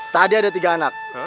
tadi ada tiga anak